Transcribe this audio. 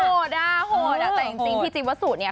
ด้าโหดอ่ะแต่จริงพี่จิ๊บวัสสุเนี่ย